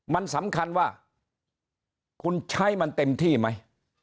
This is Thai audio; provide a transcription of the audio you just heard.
มันสำคัญว่าคุณใช้มันเต็มที่ไหม